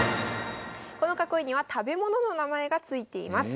この囲いには食べ物の名前が付いています。